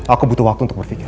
aku butuh waktu untuk berpikir